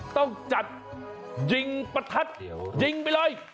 ต้องจัดยิงประทัดยิงไปเลย